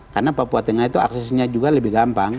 karena papua tengah itu aksesnya juga lebih gampang